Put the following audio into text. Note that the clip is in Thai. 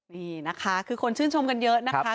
นี่นะคะคือคนชื่นชมกันเยอะนะคะ